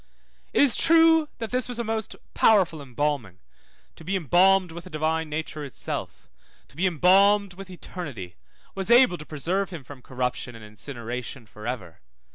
It is true that this was a most powerful embalming, to be embalmed with the Divine Nature itself, to be embalmed with eternity, was able to preserve him from corruption and incineration for ever.